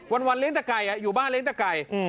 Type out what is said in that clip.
วันเลี้ยแต่ไก่อยู่บ้านเลี้ยแต่ไก่